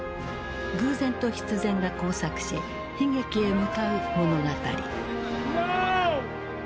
偶然と必然が交錯し悲劇へ向かう物語。